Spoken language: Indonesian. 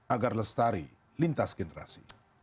agar lestari lintas generasi